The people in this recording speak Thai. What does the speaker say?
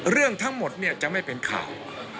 เรื่องทั้งหมดจะไม่เป็นข่าว